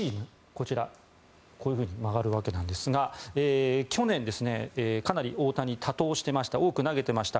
こちらこういうふうに曲がるわけですが去年、かなり大谷、多投していました。多く投げていました。